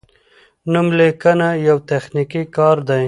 نوملیکنه یو تخنیکي کار دی.